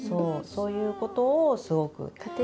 そういうことをすごく。